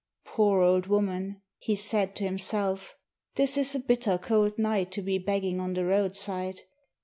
"Poor old woman," he said to himself. "This is a bitter cold night to be begging on the roadside.